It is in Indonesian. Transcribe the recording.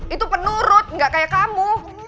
itu penurut gak kayak kamu